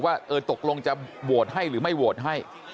ว่าเออตกลงจะโหวตให้หรือไม่โหวตให้